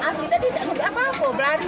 api tadi tidak ada apa apa